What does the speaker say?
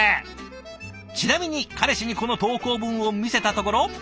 ちなみに彼氏にこの投稿文を見せたところ。